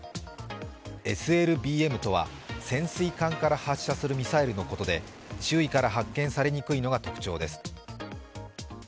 ＳＬＢＭとは潜水艦から発射するミサイルのことで周囲から発見されにくいのが特徴です。